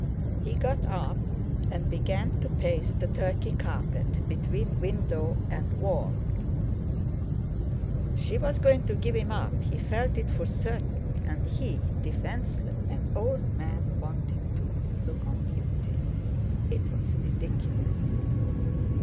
He got up and began to pace the Turkey carpet, between window and wall. She was going to give him up! He felt it for certain—and he defenceless. An old man wanting to look on beauty! It was ridiculous!